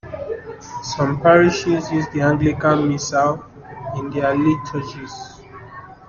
Some parishes use the Anglican Missal in their liturgies.